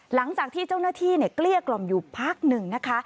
หลังจากที่เจ้าหน้าที่เกลี้ยกล่อมอยู่พักหนึ่งนะคะ